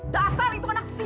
teor itu anak sial